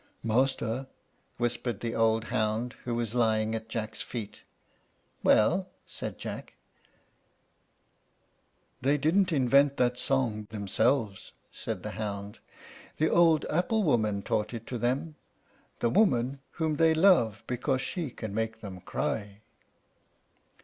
"Master," whispered the old hound, who was lying at Jack's feet. "Well," said Jack. "They didn't invent that song themselves," said the hound; "the old apple woman taught it to them, the woman whom they love because she can make them cry."